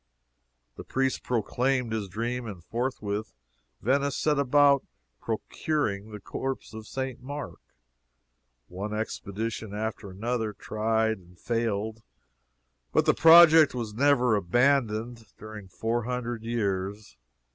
The priest proclaimed his dream, and forthwith Venice set about procuring the corpse of St. Mark. One expedition after another tried and failed, but the project was never abandoned during four hundred years.